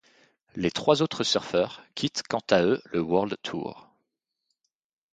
Les trois autres surfeurs quittent quant à eux le World Tour.